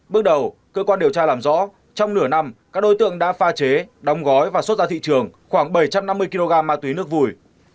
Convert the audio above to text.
bước đầu cơ quan điều tra làm rõ trong nửa năm các đối tượng đã pha chế đóng gói và xuất ra thị trường khoảng bảy trăm năm mươi kg ma túy nước vùi